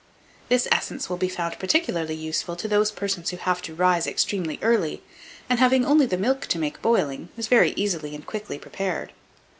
This essence will be found particularly useful to those persons who have to rise extremely early; and having only the milk to make boiling, is very easily and quickly prepared.